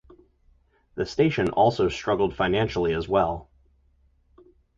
The station also struggled financially as well.